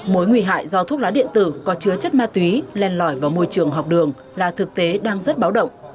mối nguy hại do thuốc lá điện tử có chứa chất ma túy len lỏi vào môi trường học đường là thực tế đang rất báo động